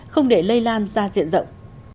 không để lây lan gia diện rộng